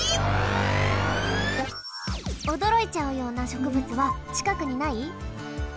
おどろいちゃうようなしょくぶつはちかくにない？